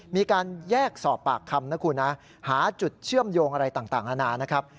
มีการแยกสอบปากคำนะคุณนะหาจุดเชื่อมโยงอะไรต่างอาณานะครับ